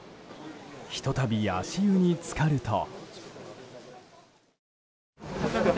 ひと度足湯につかると。